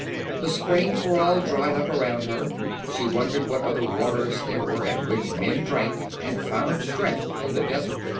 The springs were all dried up around her; she wondered what other waters there were at which men drank and found strength in the desert.